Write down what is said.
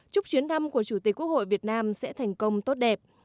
chúc chuyến thăm của chủ tịch quốc hội việt nam sẽ thành công tốt đẹp